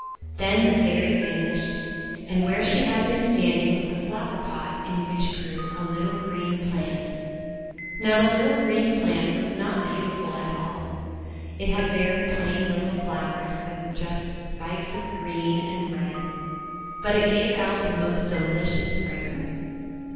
Then the Fairy vanished, and where she had been standing was a flower pot in which grew a little green plant. Now the little green plant was not beautiful at all. It had very plain little flowers that were just spikes of green and red; but it gave out the most delicious fragrance.